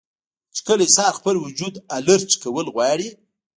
چې کله انسان خپل وجود الرټ کول غواړي